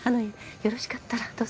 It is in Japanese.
よろしかったらどうぞ。